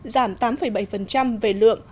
giảm tám bảy về lượng